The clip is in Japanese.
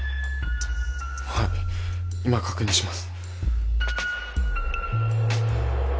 はい今確認します